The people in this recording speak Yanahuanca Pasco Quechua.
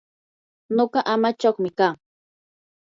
nuqa amachaqmi kaa.